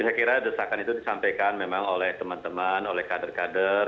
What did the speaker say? saya kira desakan itu disampaikan memang oleh teman teman oleh kader kader